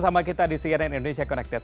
bersama kita di cnn indonesia connected